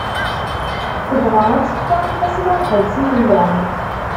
Tebɣa ad teffer, xas ma weḥdes i tella.